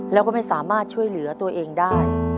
แล้วก็ไม่สามารถช่วยเหลือตัวเองได้